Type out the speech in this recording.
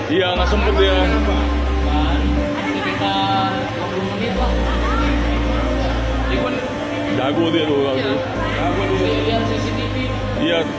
iya nggak sempet dia